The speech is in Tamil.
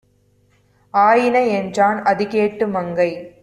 ஆயின" என்றான். அதுகேட்டு மங்கை